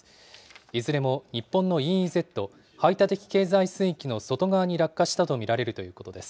いずれも日本のＥＥＺ・排他的経済水域の外側に落下したと見られるということです。